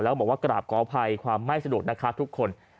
แล้วบอกว่ากราบขออภัยความไม่สะดวกนะคะทุกคน